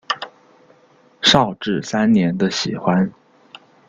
绍治三年的喜欢。